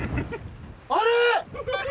あれ！